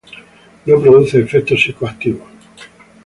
No produce efectos psicoactivos.